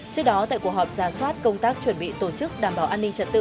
trước đó tại cuộc họp giả soát công tác chuẩn bị tổ chức đảm bảo an ninh trật tự